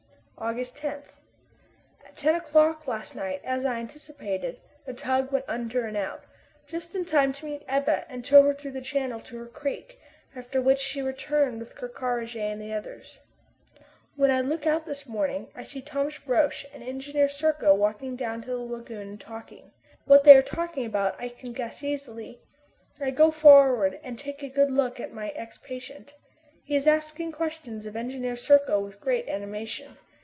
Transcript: August 10. At ten o'clock last night, as I anticipated, the tug went under and out, just in time to meet the Ebba and tow her through the channel to her creek, after which she returned with Ker Karraje and the others. When I look out this morning, I see Thomas Roch and Engineer Serko walking down to the lagoon, and talking. What they are talking about I can easily guess. I go forward and take a good look at my ex patient. He is asking questions of Engineer Serko With great animation.